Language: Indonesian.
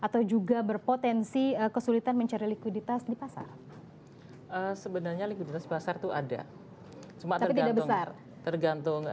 tapi tidak besar tergantung